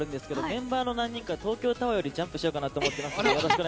メンバーの何人か東京タワーよりジャンプしちゃうかなと思っています。